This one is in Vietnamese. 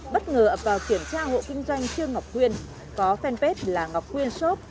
bất ngờ ập vào kiểm tra hộ kinh doanh trương ngọc quyên có fanpage là ngọc quyên shop